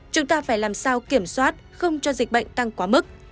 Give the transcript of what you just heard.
chúng ta phải làm sao kiểm soát không cho dịch bệnh tăng quá mức